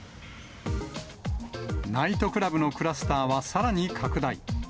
ナイトクラブのクラスターはさらに拡大。